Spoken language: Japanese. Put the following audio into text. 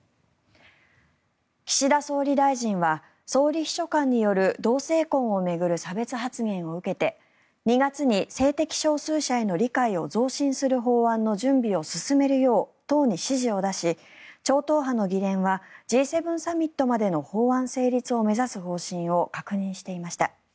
岸田総理大臣は総理秘書官による同性婚を巡る差別発言を受けて２月に、性的少数者への理解を増進する法案の準備を進めるよう党に指示を出し超党派の議連はＧ７サミットまでの法案成立を目指す方針を確認していました。